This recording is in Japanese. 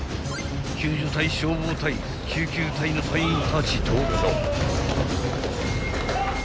［救助隊消防隊救急隊の隊員たちと］